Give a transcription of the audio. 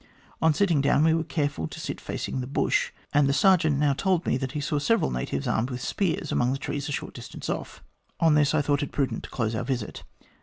On sitting down, we were careful to sit facing the bush, and the sergeant now told me that he saw several natives armed with spears among the trees a short distance off. On this, I thought it prudent to close our visit.